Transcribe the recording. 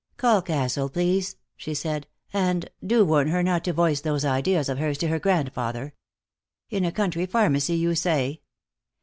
"Call Castle, please," she said. "And do warn her not to voice those ideas of hers to her grandfather. In a country pharmacy, you say?"